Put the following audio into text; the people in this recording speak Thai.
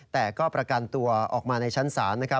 แต่ก็ประกันตัวออกมาในชั้นศาลนะครับ